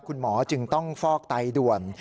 คุณหมอจึงต้องฟอกไตด่วน